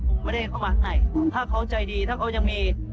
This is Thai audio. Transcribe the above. ผมไม่ได้เข้ามาข้างในถ้าเขาใจดีถ้าเขายังมี